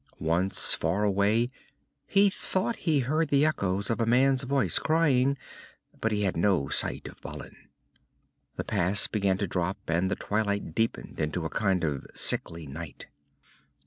Once, far away, he thought he heard the echoes of a man's voice crying, but he had no sight of Balin. The pass began to drop, and the twilight deepened into a kind of sickly night.